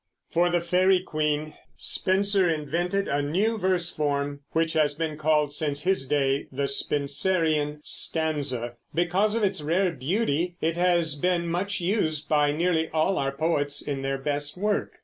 For the Faery Queen Spenser invented a new verse form, which has been called since his day the Spenserian stanza. Because of its rare beauty it has been much used by nearly all our poets in their best work.